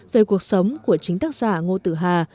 về cuộc sống của chính tác giả ngô tự hà